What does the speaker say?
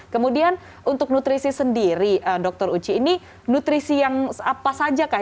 kemudian untuk nutrisi sendiri dokter uci ini nutrisi yang apa saja kah